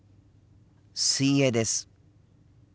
水泳です。